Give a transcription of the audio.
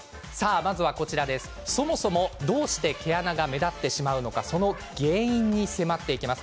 そもそもどうして毛穴が目立ってしまうのかその原因に迫っていきます。